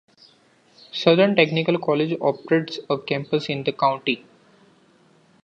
Southern Technical College operates a campus in the county.